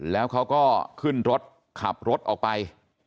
แล้วเขาก็ขึ้นรถขับรถออกไป